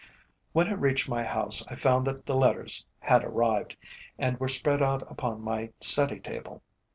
When I reached my house I found that the letters had arrived, and were spread out upon my study table.